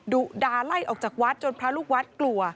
ดุดาไล่ออกจากวัดจนพระลูกวัดกลัว